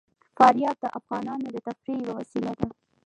فاریاب د افغانانو د تفریح یوه وسیله ده.